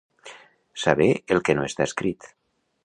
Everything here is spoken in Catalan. Saber el que no està escrit.